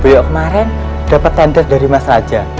buya kemarin dapet tender dari mas raja